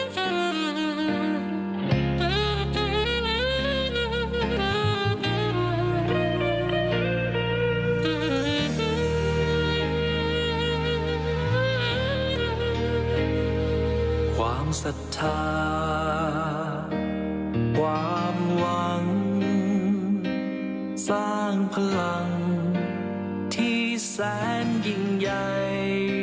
ความศรัทธาความหวังสร้างพลังที่แสนยิ่งใหญ่